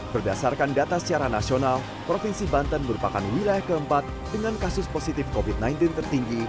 berdasarkan data secara nasional provinsi banten merupakan wilayah keempat dengan kasus positif covid sembilan belas tertinggi